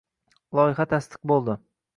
Loyiha tasdiq bo‘ldi.